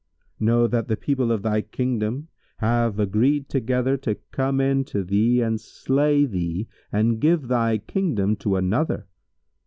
Know that the people of thy Kingdom have agreed together to come in to thee and slay thee and give thy Kingdom to another.